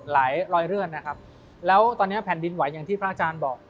รอยเลือดนะครับแล้วตอนนี้แผ่นดินไหวอย่างที่พระอาจารย์บอก